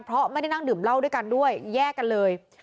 เพราะไม่ได้นั่งดื่มเหล้าด้วยกันด้วยแยกกันเลย